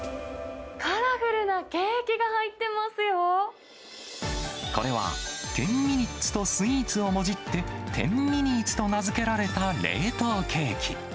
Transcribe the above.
カラフルなケーキが入ってまこれは、１０ミニッツとスイーツをもじって、１０ミニーツと名付けられた冷凍ケーキ。